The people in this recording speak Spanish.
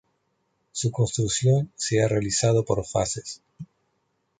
Su construcción se ha realizado por fases.